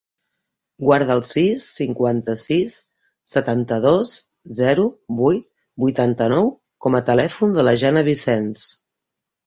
Guarda el sis, cinquanta-sis, setanta-dos, zero, vuit, vuitanta-nou com a telèfon de la Jana Vicens.